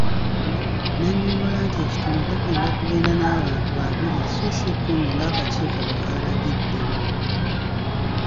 N'annyonnyola nti ekitono bagenda kugenda n'abantu abiri so si kumi ng'akakiiko bwe kaalagidde.